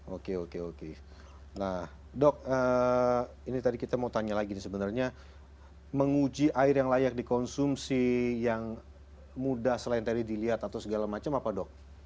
oke oke oke nah dok ini tadi kita mau tanya lagi nih sebenarnya menguji air yang layak dikonsumsi yang mudah selain tadi dilihat atau segala macam apa dok